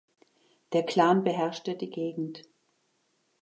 Der Clan beherrschte die Gegend.